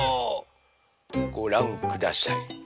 ごらんください。